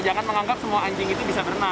jangan menganggap semua anjing itu bisa berenang